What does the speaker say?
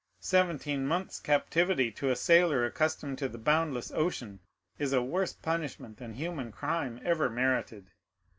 Seventeen months' captivity to a sailor accustomed to the boundless ocean, is a worse punishment than human crime ever merited.